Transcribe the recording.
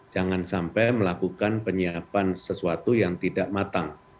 jangan sampai melakukan penyiapan sesuatu yang tidak matang